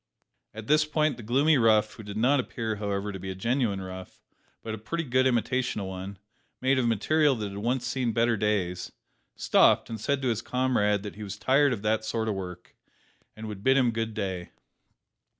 At this point the gloomy rough who did not appear, however, to be a genuine rough, but a pretty good imitation of one, made of material that had once seen better days stopped, and said to his comrade that he was tired of that sort of work, and would bid him good day.